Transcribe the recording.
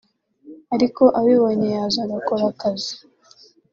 ariko abibonye yaza agakora akazi"